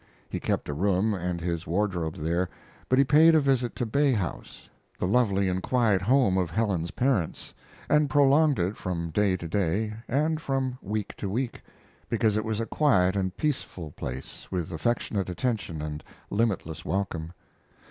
He kept a room and his wardrobe there; but he paid a visit to Bay House the lovely and quiet home of Helen's parents and prolonged it from day to day, and from week to week, because it was a quiet and peaceful place with affectionate attention and limitless welcome.